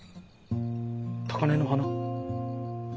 高根の花？